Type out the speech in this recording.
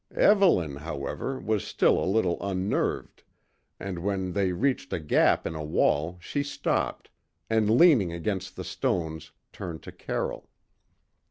Evelyn, however, was still a little unnerved, and when they reached a gap in a wall she stopped, and leaning against the stones turned to Carroll.